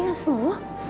ya ini dia